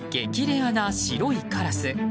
レアな白いカラス。